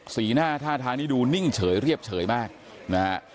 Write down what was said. สีหน้าท่าทางนี้ดูนิ่งเฉยเรียบเฉยมากนะฮะ